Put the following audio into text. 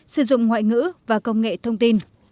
sử dụng ngoại ngữ và công nghệ thông tin